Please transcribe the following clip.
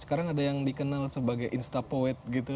sekarang ada yang dikenal sebagai insta poet gitu